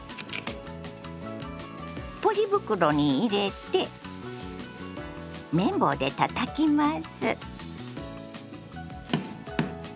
ポリ袋に入れて麺棒でたたきます。